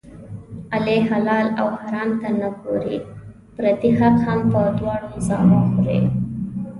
علي حلال او حرام ته نه ګوري، پردی حق هم په دواړو زامو خوري.